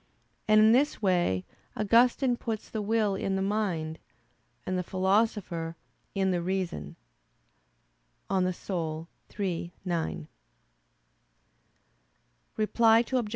And in this way Augustine puts the will in the mind; and the Philosopher, in the reason (De Anima iii, 9). Reply Obj.